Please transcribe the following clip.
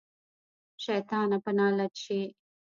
شيطانه په نالت شې.